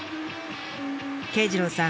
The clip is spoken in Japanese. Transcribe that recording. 圭次郎さん